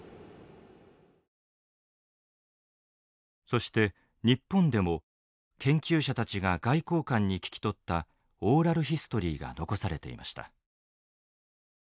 そして日本でも研究者たちが外交官に聞き取ったオーラル・ヒストリーが残されていました。